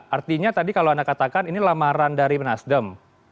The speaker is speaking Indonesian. artinya tadi kalau anda katakan ini lamaran dari nasdem